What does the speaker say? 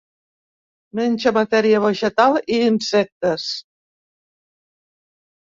Menja matèria vegetal i insectes.